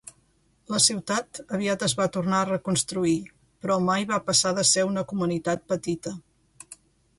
La ciutat aviat es va tornar a reconstruir, però mai va passar de ser una comunitat petita.